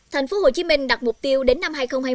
tp hcm đặt mục tiêu đến năm hai nghìn hai mươi